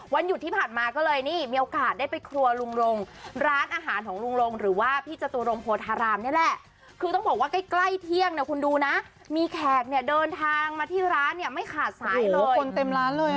หยุดที่ผ่านมาก็เลยนี่มีโอกาสได้ไปครัวลุงลงร้านอาหารของลุงลงหรือว่าพี่จตุรงโพธารามนี่แหละคือต้องบอกว่าใกล้ใกล้เที่ยงเนี่ยคุณดูนะมีแขกเนี่ยเดินทางมาที่ร้านเนี่ยไม่ขาดสายเลยคนเต็มร้านเลย